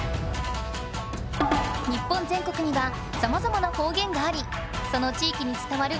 日本全国にはさまざまな方言がありその地域につたわる